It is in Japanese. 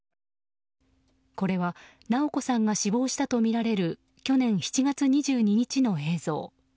これは直子さんが死亡したとみられる去年７月２２日の映像。